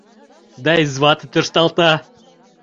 Да извате тӧршталта